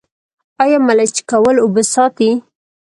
آیا ملچ کول اوبه ساتي؟